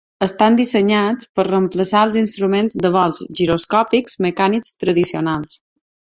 Estan dissenyats per reemplaçar els instruments de vol giroscòpics mecànics tradicionals.